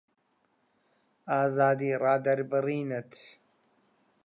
ئازادی ڕادەربڕینت